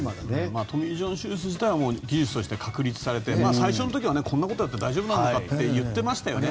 トミー・ジョン手術自体は技術として確立されて最初の時はこんなことやって大丈夫かと言っていましたよね。